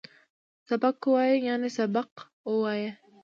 سبک وویه ، یعنی سبق ووایه